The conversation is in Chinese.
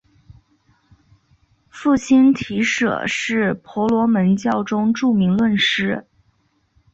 父亲提舍是婆罗门教中著名论师。